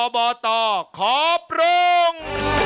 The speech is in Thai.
อบตขอบพรุง